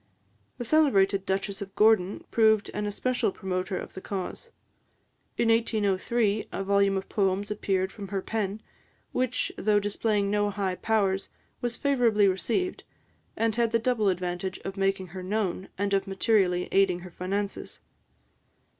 The celebrated Duchess of Gordon proved an especial promoter of the cause. In 1803, a volume of poems appeared from her pen, which, though displaying no high powers, was favourably received, and had the double advantage of making her known, and of materially aiding her finances.